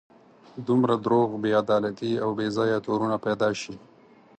دومره دروغ، بې عدالتي او بې ځایه تورونه پیدا شي.